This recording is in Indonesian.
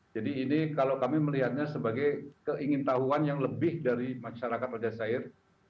jadi ini kalau kami melihatnya sebagai keingintahuan yang lebih dari masyarakat al jazeera